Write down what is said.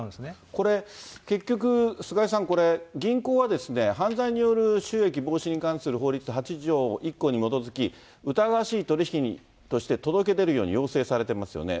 これ、結局、菅井さん、これ、銀行は犯罪による収益防止に関する法律８条１項に基づき、疑わしい取り引きとして届け出るように要請されていますよね。